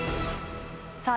さあ